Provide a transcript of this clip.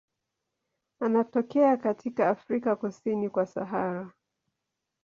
Anatokea katika Afrika kusini kwa Sahara.